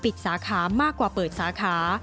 สาขามากกว่าเปิดสาขา